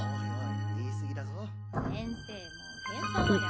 言いすぎだぞ。